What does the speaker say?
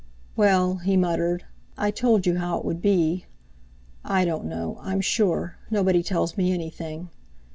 "Well," he muttered, "I told you how it would be. I don't know, I'm sure—nobody tells me anything.